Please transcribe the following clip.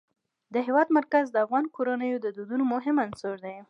د هېواد مرکز د افغان کورنیو د دودونو مهم عنصر دی.